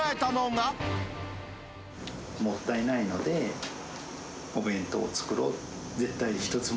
もったいないので、お弁当を作ろう。